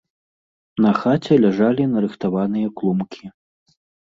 На хаце ляжалі нарыхтаваныя клумкі.